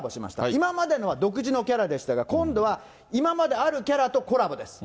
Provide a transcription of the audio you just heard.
今までのは独自のキャラでしたが、今度は今まであるキャラとコラボです。